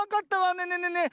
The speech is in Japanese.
ねえねえねえねえ